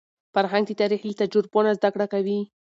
فرهنګ د تاریخ له تجربو نه زده کړه کوي.